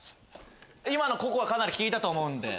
今のココアかなり効いたと思うんで。